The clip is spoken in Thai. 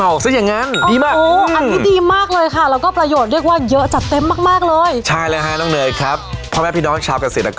ฮือฮือฮือฮือฮือฮือ